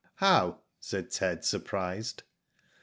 Hovv?" said Ted, surprised.